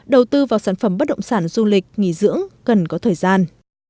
đầu tư vào sản phẩm bất động sản du lịch nghỉ dưỡng cần có thời gian